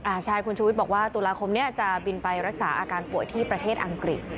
ใช่คุณชูวิทย์บอกว่าตุลาคมนี้จะบินไปรักษาอาการป่วยที่ประเทศอังกฤษ